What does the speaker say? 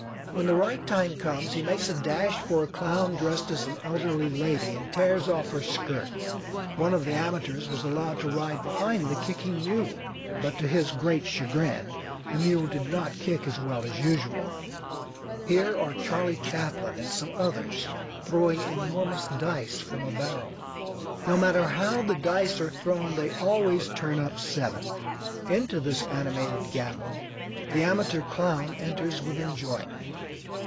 When the right time comes he makes a dash for a clown dressed as an elderly lady and tears off her skirt. One of the amateurs was allowed to ride behind the kicking mule, but to his great chagrin the mule did not kick as well as usual. Here are Charley Chaplin and some others throwing enormous dice from a barrel. No matter how the dice are thrown they always turn up seven. Into this animated gamble the amateur clown enters with enjoyment.